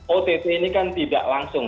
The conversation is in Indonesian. ott ini kan tidak langsung